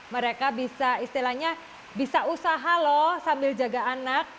mereka bisa istilahnya bisa usaha loh sambil jaga anak